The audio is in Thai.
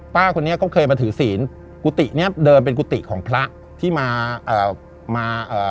ป้าคนนี้ก็เคยมาถือศีลกุฏิเนี้ยเดินเป็นกุฏิของพระที่มาเอ่อมาเอ่อ